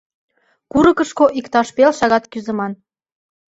Курыкышко иктаж пел шагат кӱзыман.